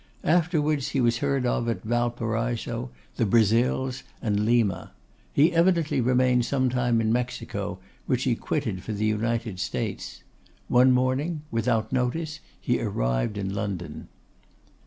Afterwards he was heard of at Valparaiso, the Brazils, and Lima. He evidently remained some time at Mexico, which he quitted for the United States. One morning, without notice, he arrived in London.